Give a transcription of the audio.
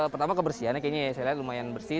pertama kebersihannya kayaknya ya saya lihat lumayan bersih